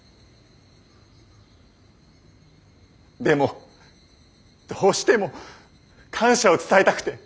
でもどうしても感謝を伝えたくて。